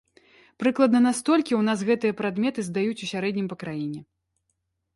Прыкладна на столькі ў нас гэтыя прадметы здаюць у сярэднім па краіне!